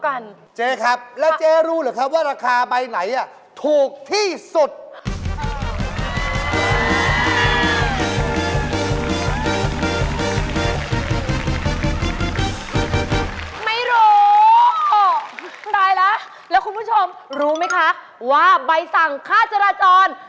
โอ้โหไม่รู้โอ๊ะได้แล้วแล้วคุณผู้ชมรู้ไหมคะว่าใบสั่งค่าจราจร